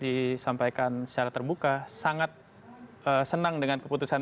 yang pertama indonesia tentu sebenarnya tanpa hadapan